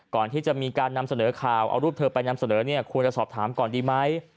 ก่อนที่จะมีการนำเสนอข่าวเอารูปเธอไปนำเสนอเนี่ยควรจะสอบถามก่อนดีไหม